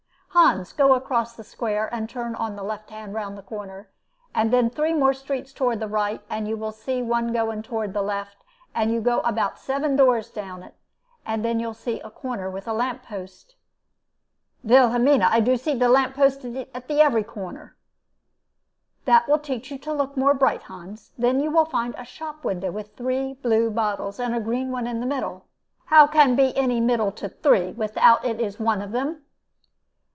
Hans, go across the square, and turn on the left hand round the corner, and then three more streets toward the right, and you see one going toward the left, and you go about seven doors down it, and then you see a corner with a lamp post." "Vilhelmina, I do see de lamp post at de every corner." "That will teach you to look more bright, Hans. Then you find a shop window with three blue bottles, and a green one in the middle." "How can be any middle to three, without it is one of them?"